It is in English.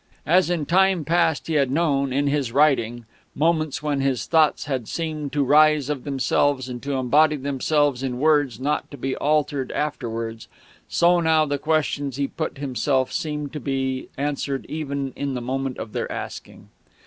As in time past he had known, in his writing, moments when his thoughts had seemed to rise of themselves and to embody themselves in words not to be altered afterwards, so now the questions he put himself seemed to be answered even in the moment of their asking.